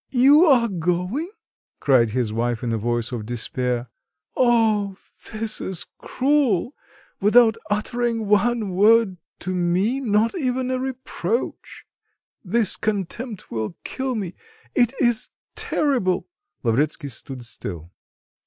"You are going?" cried his wife in a voice of despair. "Oh, this is cruel! Without uttering one word to me, not even a reproach. This contempt will kill me, it is terrible!" Lavretsky stood still.